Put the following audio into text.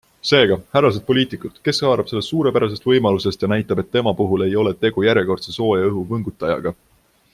Seega, härrased poliitikud - kes haarab sellest suurepärasest võimalusest ja näitab, et tema puhul ei ole tegu järjekordse sooja õhu võngutajaga?